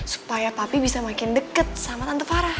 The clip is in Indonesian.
supaya papi bisa makin deket sama tante farah